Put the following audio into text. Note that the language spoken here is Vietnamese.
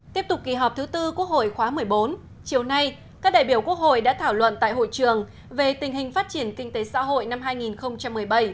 tiếp tục kỳ họp thứ tư quốc hội khóa một mươi bốn chiều nay các đại biểu quốc hội đã thảo luận tại hội trường về tình hình phát triển kinh tế xã hội năm hai nghìn một mươi bảy